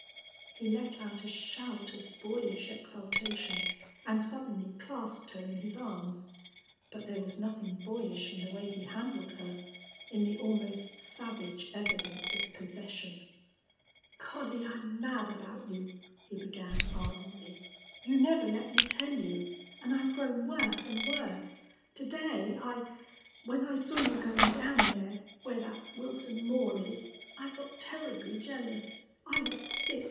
He let out a shout of boyish exultation and suddenly clasped her in his arms. But there was nothing boyish in the way he handled her, in the almost savage evidence of possession. "Collie, I'm mad about you," he began, ardently. "You never let me tell you. And I've grown worse and worse. To day I when I saw you going down there where that Wilson Moore is I got terribly jealous. I was sick.